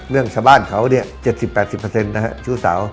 เรื่องชาวบ้านเขาเนี่ย๗๐๘๐นะฮะชื่อสาว